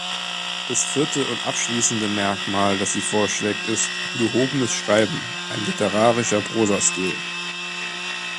Das vierte und abschließende Merkmal, das sie vorschlägt, ist „Gehobenes Schreiben: ein literarischer Prosastil“.